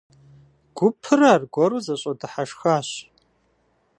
Гупыр аргуэру зэщӀэдыхьэшхащ.